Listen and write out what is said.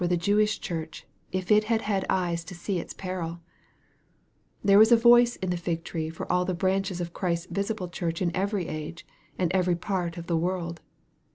the Jewish Church if it had had eyes to see its peril t There was a voice in the fig tree for all the branches oi Christ's visible Church in every age, and every part of the world.